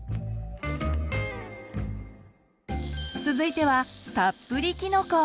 続いてはたっぷりきのこ。